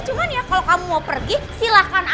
cuman ya kalau kamu mau pergi silahkan aja